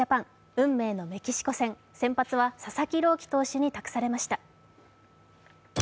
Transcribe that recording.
運命のメキシコ戦先発は佐々木朗希投手に託されました。